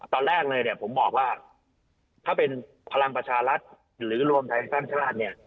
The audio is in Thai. ตอนแรกเลยเนี่ยผมบอกว่าถ้าเป็นพลังประชารัฐหรือรวมไทยสร้างชาติเนี่ย